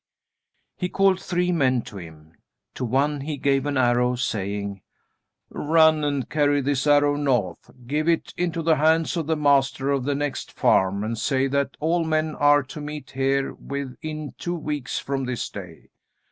He called three men to him. To one he gave an arrow, saying: "Run and carry this arrow north. Give it into the hands of the master of the next farm, and say that all men are to meet here within two weeks from this day.